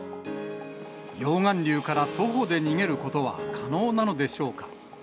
溶岩流から徒歩で逃げることは可能なのでしょうか。